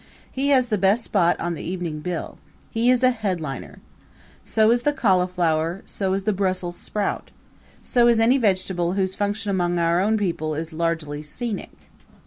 He has the best spot on the evening bill he is a headliner. So is the cauliflower; so is the Brussels sprout; so is any vegetable whose function among our own people is largely scenic.